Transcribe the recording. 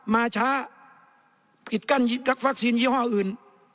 มาช้าปิดกั้นวัคซีนยี่ห้ออื่น